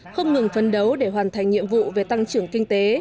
không ngừng phấn đấu để hoàn thành nhiệm vụ về tăng trưởng kinh tế